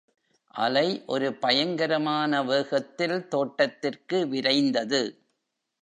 அலை ஒரு பயங்கரமான வேகத்தில் தோட்டத்திற்கு விரைந்தது.